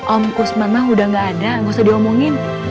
om kusman mah udah gak ada gak usah diomongin